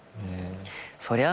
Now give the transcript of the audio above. そりゃあ